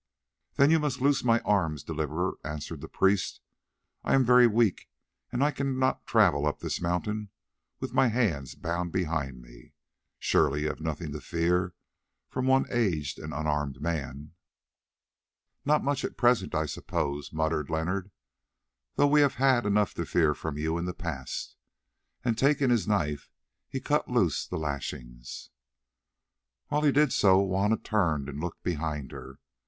"Then you must loose my arms, Deliverer," answered the priest; "I am very weak, and I cannot travel up this mountain with my hands bound behind me. Surely you have nothing to fear from one aged and unarmed man." "Not much at present, I suppose," muttered Leonard, "though we have had enough to fear from you in the past." And taking his knife he cut loose the lashings. While he did so, Juanna turned and looked behind her.